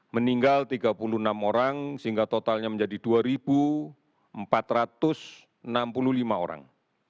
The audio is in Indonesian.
meninggal tiga puluh enam orang sehingga totalnya menjadi dua empat ratus enam puluh lima orang